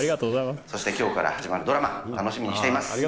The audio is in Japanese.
そしてきょうから始まるドラマ、楽しみにしています。